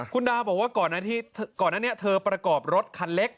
คุณดาบอกว่าก่อนอันนี้เธอประกอบรถคันเล็ก